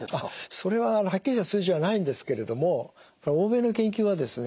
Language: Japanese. それははっきりとした数字はないんですけれども欧米の研究はですね